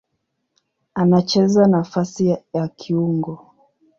Anacheza nafasi ya kiungo.